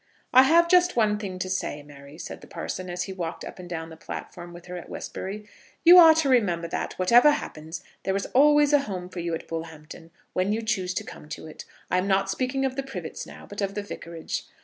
"I have just one thing to say, Mary," said the parson, as he walked up and down the platform with her at Westbury; "you are to remember that, whatever happens, there is always a home for you at Bullhampton when you choose to come to it. I am not speaking of the Privets now, but of the Vicarage."